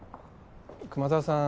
熊沢さん